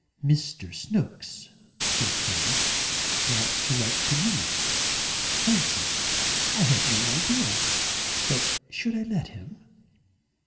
"Mr. Snooks," said Fanny, "wants to write to me. Fancy! I had no idea. But should I let him?"